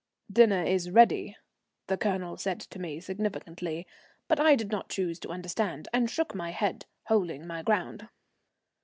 "Dinner is ready," the Colonel said to me significantly, but I did not choose to understand, and shook my head, holding my ground.